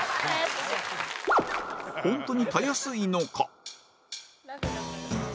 ホントにたやすいのか？